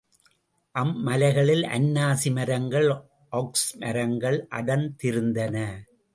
அம்மலைகளில் அன்னாசி மரங்கள், ஒக்ஸ் மரங்கள் அடர்ந்திருந்தன.